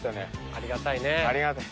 ありがたい。